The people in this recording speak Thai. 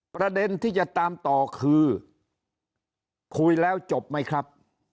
ประเด็นที่จะตามต่อคือคุยแล้วจบไหมครับ